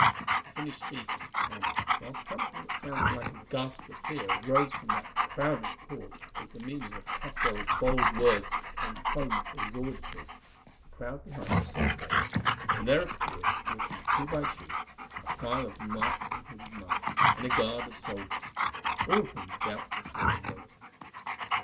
He finished speaking, and, while something that sounded like a gasp of fear rose from that crowded court as the meaning of Castell's bold words came home to his auditors, the crowd behind him separated, and there appeared, walking two by two, a file of masked and hooded monks and a guard of soldiers, all of whom doubtless were in waiting.